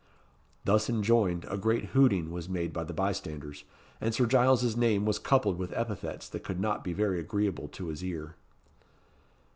Thus enjoined, a great hooting was made by the bystanders, and Sir Giles's name was coupled with epithets that could not be very agreeable to his ear.